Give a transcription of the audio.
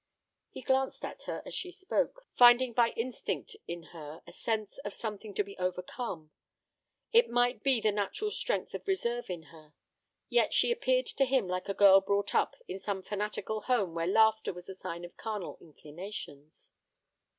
He glanced at her as she spoke, finding by instinct in her a sense of something to be overcome. It might be the natural strength of reserve in her. Yet she appeared to him like a girl brought up in some fanatical home where laughter was a sign of carnal inclinations.